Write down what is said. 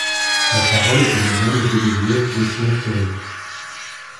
La parole est à Madame Geneviève Gosselin-Fleury.